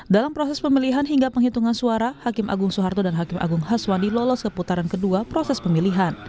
dalam proses pemilihan hingga penghitungan suara hakim agung soeharto dan hakim agung haswandi lolos ke putaran kedua proses pemilihan